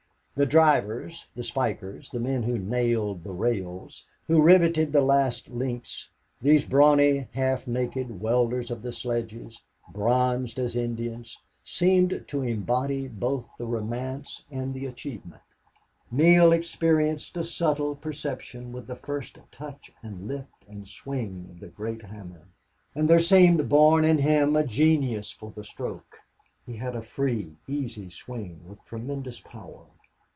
The drivers the spikers the men who nailed the rails who riveted the last links these brawny, half naked wielders of the sledges, bronzed as Indians, seemed to embody both the romance and the achievement. Neale experienced a subtle perception with the first touch and lift and swing of the great hammer. And there seemed born in him a genius for the stroke. He had a free, easy swing, with tremendous power.